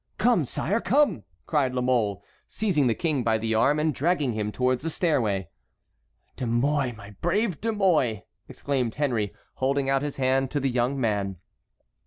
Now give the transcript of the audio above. "Come, sire, come," cried La Mole, seizing the king by the arm and dragging him towards the stairway. "De Mouy, my brave De Mouy!" exclaimed Henry, holding out his hand to the young man.